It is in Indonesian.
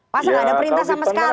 masa gak ada perintah sama sekali nih